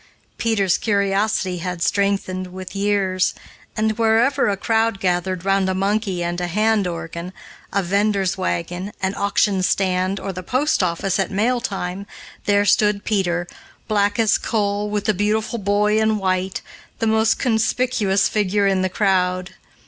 Peter's curiosity had strengthened with years, and, wherever a crowd gathered round a monkey and hand organ, a vender's wagon, an auction stand, or the post office at mail time, there stood Peter, black as coal, with "the beautiful boy in white," the most conspicuous figure in the crowd.